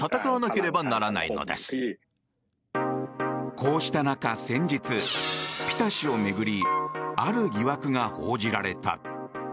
こうした中、先日ピタ氏を巡りある疑惑が報じられた。